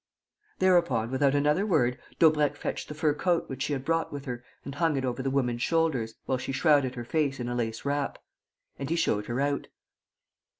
Thereupon, without another word, Daubrecq fetched the fur cloak which she had brought with her and hung it over the woman's shoulders, while she shrouded her face in a lace wrap. And he showed her out.